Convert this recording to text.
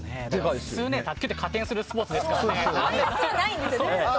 普通、卓球って加点するスポーツですから。